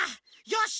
よし！